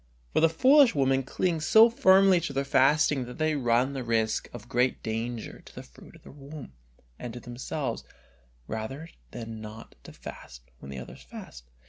For the foolish women cling so firmly to their fasting that they run the risk of great danger to the fruit of their womb and to themselves, rather than not to fast when the others fast.